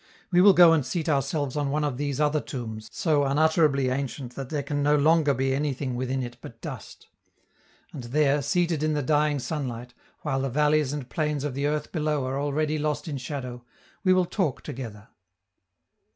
We will go and seat ourselves on one of these other tombs, so unutterably ancient that there can no longer be anything within it but dust. And there, seated in the dying sunlight, while the valleys and plains of the earth below are already lost in shadow, we will talk together.